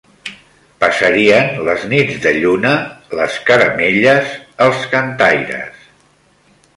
Passarien les nits de lluna, les caramelles, els cantaires